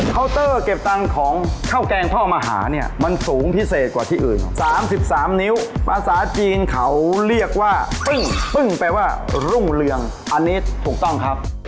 เตอร์เก็บตังค์ของข้าวแกงพ่อมหาเนี่ยมันสูงพิเศษกว่าที่อื่น๓๓นิ้วภาษาจีนเขาเรียกว่าปึ้งปึ้งแปลว่ารุ่งเรืองอันนี้ถูกต้องครับ